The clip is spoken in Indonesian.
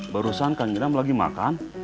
barusan kang idam lagi makan